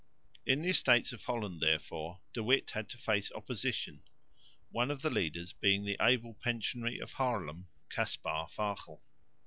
In the Estates of Holland, therefore, De Witt had to face opposition, one of the leaders being the able Pensionary of Haarlem, Caspar Fagel.